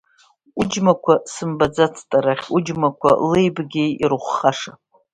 Уџьмақәа сымбаӡацт арахь, уџьмақәа, леи-бгеи ирыхәхаша!